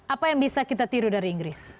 apa yang bisa kita tiru dari inggris